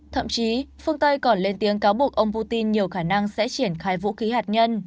thậm chí phương tây còn lên tiếng cáo buộc ông putin nhiều khả năng sẽ triển khai vũ khí hạt nhân